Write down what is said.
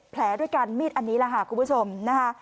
๑๗แผลด้วยกันมีดอันนี้คุณผู้ชมนะคะ